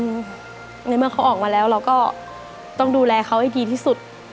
ในเมื่อเขาออกมาแล้วเราก็ต้องดูแลเขาให้ดีที่สุด